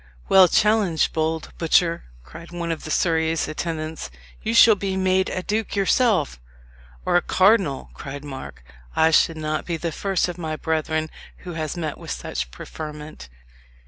"Well challenged, bold butcher!" cried one of Surrey's attendants. "You shall be made a duke yourself." "Or a cardinal," cried Mark. "I should not be the first of my brethren who has met with such preferment."